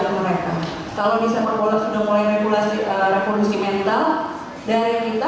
kalau bisa perbola sudah mulai regulasi revolusi mental